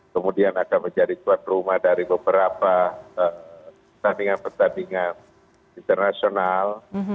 kemudian akan menjadi tuan rumah dari beberapa pertandingan pertandingan internasional